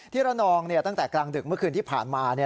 ที่ระนองเนี่ยตั้งแต่กลางดึกเมื่อคืนที่ผ่านมาเนี่ย